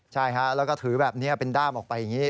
ใช่ฮะแล้วก็ถือแบบนี้เป็นด้ามออกไปอย่างนี้